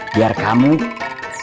bisa kebun mobil